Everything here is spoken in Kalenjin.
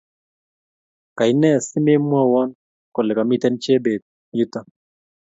Kainee asimemwowon kole kamiten Chebet yuto